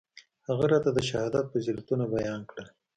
هغه راته د شهادت فضيلتونه بيان کړل.